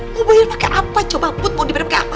mau bayar pakai apa coba put mau dibayar pakai apa